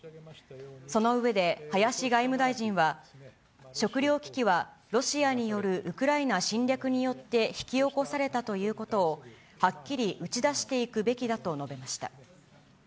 その上で林外務大臣は、食料危機はロシアによるウクライナ侵略によって引き起こされたということを、はっきり打ち出していくべきだと述べました。